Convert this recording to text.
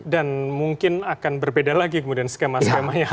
dan mungkin akan berbeda lagi kemudian skema skema ya